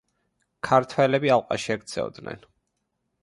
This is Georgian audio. ქართველები ალყაში ექცეოდნენ.